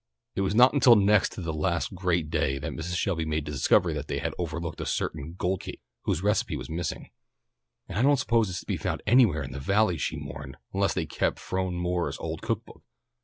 It was not until next to the last great day that Mrs. Shelby made the discovery they had overlooked a certain gold cake, whose recipe was missing. "And I don't suppose it's to be found anywhere in the Valley," she mourned, "unless they've kept Phronie Moore's old cook book.